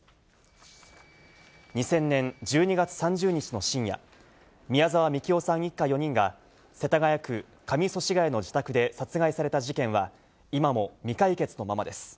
２０００年１２月３０日の深夜、宮沢みきおさん一家４人が、世田谷区上祖師谷の自宅で殺害された事件は、今も未解決のままです。